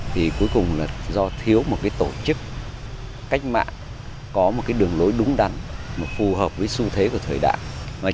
thì cuối cùng là do thiếu một tổ chức cách mạng có một cái đường lối đúng đắn mà phù hợp với xu thế của thời đại